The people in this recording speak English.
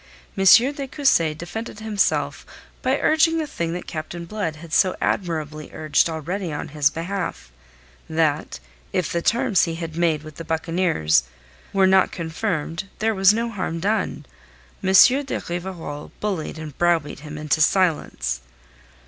M. de Cussy defended himself by urging the thing that Captain Blood had so admirably urged already on his behalf that if the terms he had made with the buccaneers were not confirmed there was no harm done. M. de Rivarol bullied and browbeat him into silence.